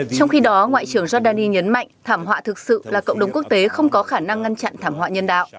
trong khi đó ngoại trưởng jordani nhấn mạnh thảm họa thực sự là cộng đồng quốc tế không có khả năng ngăn chặn thảm họa nhân đạo